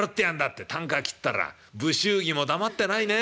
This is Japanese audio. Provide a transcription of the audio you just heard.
ってたんか切ったら不祝儀も黙ってないね。